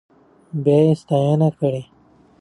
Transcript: بيا يې ستاينه کړې.